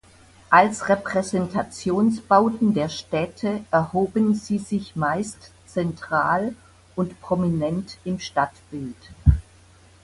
Als Repräsentationsbauten der Städte erhoben sie sich meist zentral und prominent im Stadtbild.